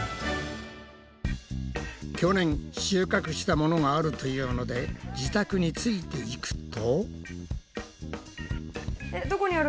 去年収穫したものがあるというので自宅についていくと。